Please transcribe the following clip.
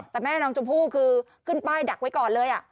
แต่แม่น้องชมพู่คือขึ้นป้ายดักไว้ก่อนเลย